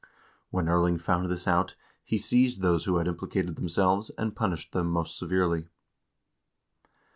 When Erling found this out, he seized those who had implicated themselves, and punished them most severely.